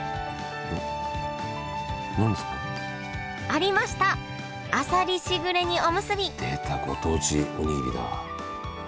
あさりしぐれ煮おむすび出たご当地おにぎりだ。